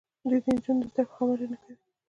دوی د نجونو د زدهکړو خبره نه کوي.